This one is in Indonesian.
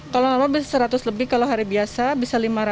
kalau normal bisa seratus lebih kalau hari biasa bisa lima ratus